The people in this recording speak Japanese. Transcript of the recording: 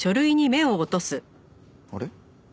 あれ？